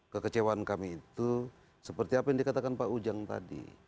kekecewaan kami itu seperti apa yang dikatakan pak ujang tadi